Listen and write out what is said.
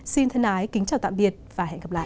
xin thân ái kính chào tạm biệt và hẹn gặp lại